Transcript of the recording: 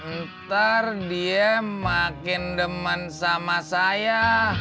ntar dia makin demen sama saya